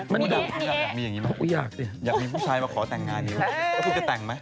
มันดุมันดุอยากมีผู้ชายมาขอแต่งงานดีแล้วคุณจะแต่งไหม